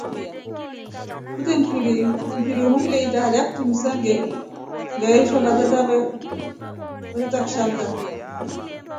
Kute mfiri umu ngaita halya kitumsa ngaishwa veteta kishaka.